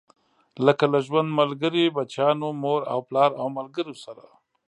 لکه له ژوند ملګري، بچيانو، مور او پلار او ملګرو سره.